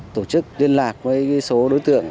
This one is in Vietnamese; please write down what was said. tổ chức liên lạc với số đối tượng